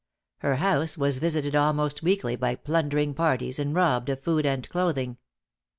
Her house was visited almost weekly by plundering parties, and robbed of food and clothing.